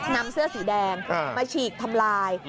นำเสื้อสีแดงมาฉีกทำลาย